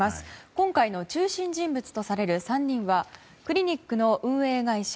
今回の中心人物とされる３人はクリニックの運営会社